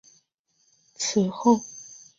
此后成为停播前的主要节目形式。